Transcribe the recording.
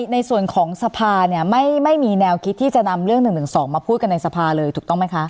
ในส่วนของสภาเนี่ยไม่มีแนวคิดที่จะนำเรื่อง๑๑๒มาพูดกันในสภาเลยถูกต้องไหมคะ